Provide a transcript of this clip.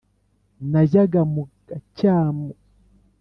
Najyaga mu gacyamu